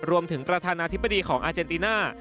ประธานาธิบดีของอาเจนติน่า